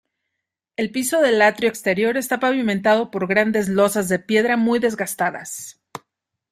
El piso del atrio exterior está pavimentado por grandes losas de piedra muy desgastadas.